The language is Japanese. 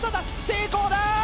成功だ！